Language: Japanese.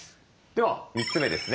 では３つ目ですね。